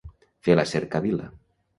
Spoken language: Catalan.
Fer la cercavila.